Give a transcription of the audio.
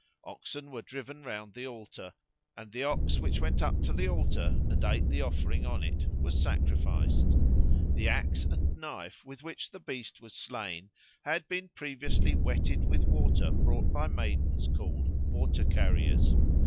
Oxen were driven round the altar, and the OX which went up to the altar and ate the offering on it was sacrificed. The axe and knife with which the beast was slain had been previously wetted with water brought by maidens called "water carriers."